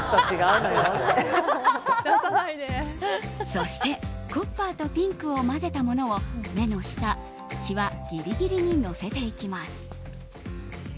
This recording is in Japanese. そしてコッパーとピンクを混ぜたものを目の下、際ギリギリにのせていきます。